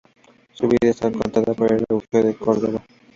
Su vida es contada por Eulogio de Córdoba.